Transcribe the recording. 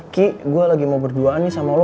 ki gue lagi mau berduaan nih sama allah